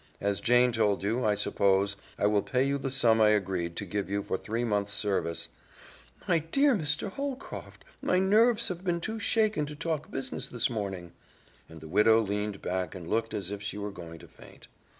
As Jane told you, I suppose, I will pay you the sum I agreed to give you for three months' service " "My dear Mr. Holcroft, my nerves have been too shaken to talk business this morning," and the widow leaned back and looked as if she were going to faint.